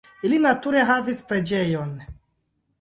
Ili nature havis preĝejon.